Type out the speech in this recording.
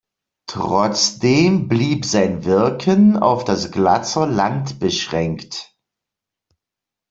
Trotzdem blieb sein Wirken auf das Glatzer Land beschränkt.